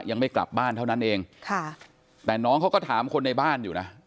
ยังไม่กลับบ้านเท่านั้นเองค่ะแต่น้องเขาก็ถามคนในบ้านอยู่นะ